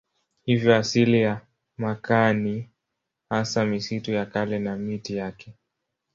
Hivyo asili ya makaa ni hasa misitu ya kale na miti yake.